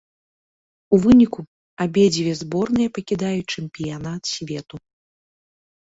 У выніку, абедзве зборныя пакідаюць чэмпіянат свету.